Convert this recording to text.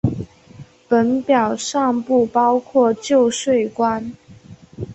本表尚不包括旧税关。